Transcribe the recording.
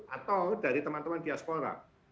atau dari teman teman di aspora